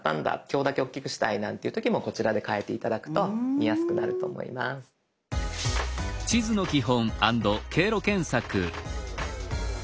今日だけ大きくしたいなんていう時もこちらで変えて頂くと見やすくなると思います。